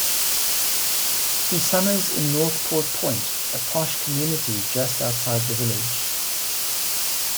He summers in Northport Point, a posh community just outside the village.